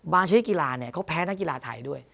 ชนิดกีฬาเขาแพ้นักกีฬาไทยด้วย